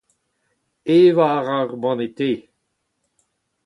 Evañ a ra ur banne te.